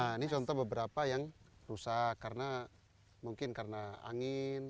nah ini contoh beberapa yang rusak karena mungkin karena angin